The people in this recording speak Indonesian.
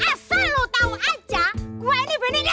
asal lu tau aja gua ini benih dia